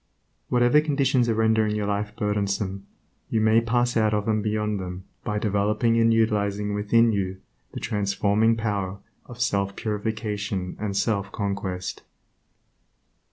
Whatever conditions are rendering your life burdensome, you may pass out of and beyond them by developing and utilizing within you the transforming power of self purification and self conquest.